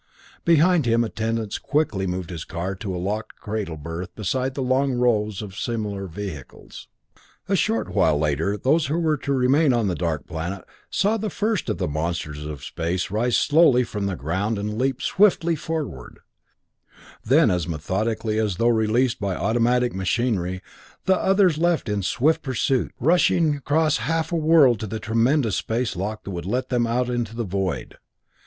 Behind him attendants quickly moved his car to a locked cradle berth beside long rows of similar vehicles. A short while later those who were to remain on the dark planet saw the first of the monsters of space rise slowly from the ground and leap swiftly forward; then as methodically as though released by automatic machinery, the others leaped in swift pursuit, rushing across half a world to the tremendous space lock that would let them out into the void.